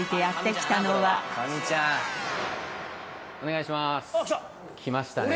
お願いします